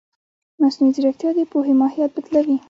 مصنوعي ځیرکتیا د پوهې ماهیت بدلوي.